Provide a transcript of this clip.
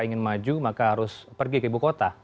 ingin maju maka harus pergi ke ibu kota